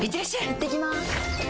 いってきます！